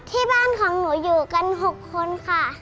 ที่บ้านของหนูอยู่กัน๖คนค่ะ